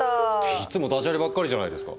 いつもダジャレばっかりじゃないですか。